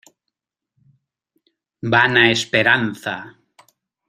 vana esperanza.